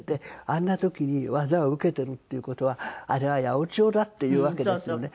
あんな時に技を受けているっていう事はあれは八百長だっていうわけですよね。